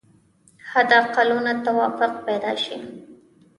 حد اقلونو توافق پیدا شي.